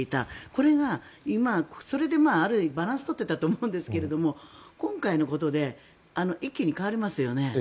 これが今、それである意味バランスを取っていたと思うんですが今回のことで一気に変わりますよね。